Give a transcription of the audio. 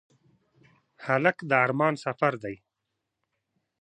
هلک د ارمان سفر دی.